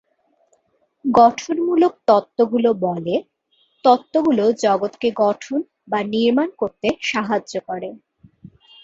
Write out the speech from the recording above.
গঠনমূলক তত্ত্বগুলো বলে, তত্ত্বগুলো জগৎকে গঠন বা নির্মাণ করতে সাহায্য করে।